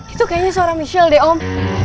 itu kayaknya seorang michelle deh om